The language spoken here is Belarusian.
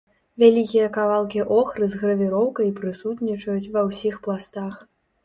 Вялікія кавалкі охры з гравіроўкай прысутнічаюць ва ўсіх пластах.